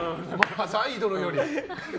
アイドルより？